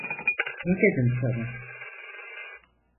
Ne dedim sana?